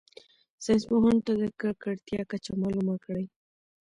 ساینس پوهانو ته د ککړتیا کچه معلومه کړي.